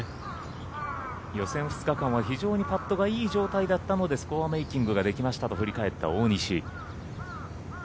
予選２日間は非常にパットがいい状態だったのでスコアメーキングができましたと振り返った大西。